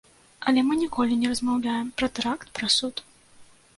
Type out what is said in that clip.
Але мы ніколі не размаўляем пра тэракт, пра суд.